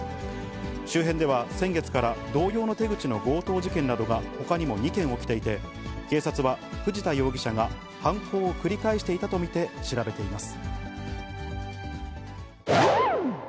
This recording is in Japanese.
周辺では先月から、同様の手口の強盗事件などがほかにも２件起きていて、警察は、藤田容疑者が犯行を繰り返していたと見て調べています。